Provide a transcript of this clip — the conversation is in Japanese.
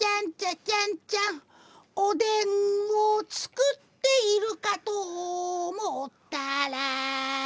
「おでんを作っているかと思ったら」